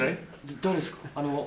誰ですか？